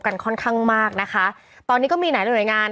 กันค่อนข้างมากนะคะตอนนี้ก็มีหลายหน่วยงาน